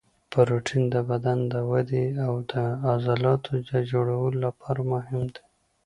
پروټین د بدن د ودې او د عضلاتو د جوړولو لپاره مهم دی